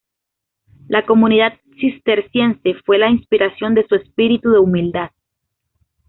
La comunidad cisterciense fue la inspiración de su espíritu de humildad.